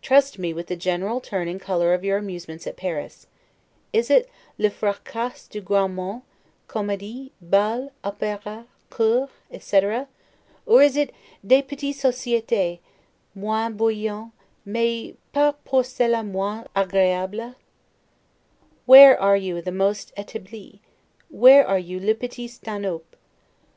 Trust me with the general turn and color of your amusements at Paris. Is it 'le fracas du grand monde, comedies, bals, operas, cour,' etc.? Or is it 'des petites societes, moins bruyantes, mais pas pour cela moins agreables'? Where are you the most 'etabli'? Where are you 'le petit Stanhope?